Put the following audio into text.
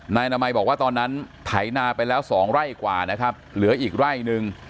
นายนามัยบอกว่าตอนนั้นไถนาไปแล้วสองไร่กว่านะครับเหลืออีกไร่นึง